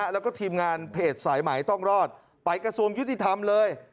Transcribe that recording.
แล้วก็ทีมงานเพจสายไหมต้องรอดไปกระทรวงยุติธรรมเลย